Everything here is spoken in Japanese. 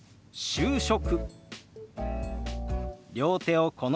「就職」。